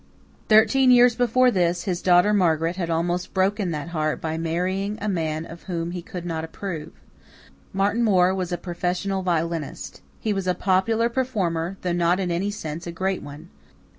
Thirteen years before this, his daughter Margaret had almost broken that heart by marrying a man of whom he could not approve. Martin Moore was a professional violinist. He was a popular performer, though not in any sense a great one.